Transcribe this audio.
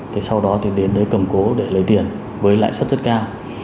thì sau đó thì đến đấy cầm cố để lấy tiền với lãi suất rất cao